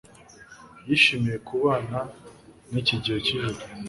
Yishimiye kubana niki gihe cyijoro